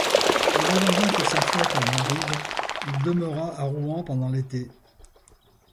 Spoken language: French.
En attendant que sa flotte n'arrive, il demeura à Rouen pendant l'été.